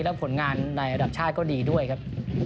และผลงานในระดับชาติก็ดีด้วยครับ